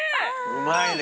うまいね。